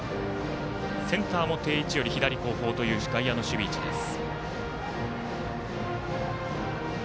センターも定位置より左後方という外野の守備位置です。